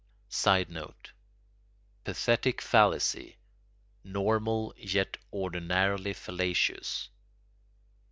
[Sidenote: "Pathetic fallacy" normal yet ordinarily fallacious.